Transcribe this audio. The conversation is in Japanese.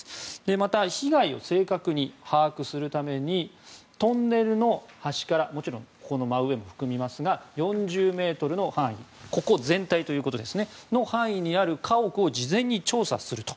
また、被害を正確に把握するためにトンネルの端からもちろん真上も含みますが４０ｍの範囲にある家屋を事前に調査すると。